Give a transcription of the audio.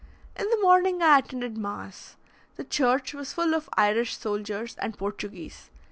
In the morning I attended mass. The church was full of Irish soldiers and Portuguese.